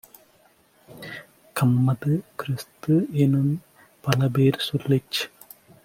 கம்மது, கிறிஸ்து-எனும் பலபேர் சொல்லிச்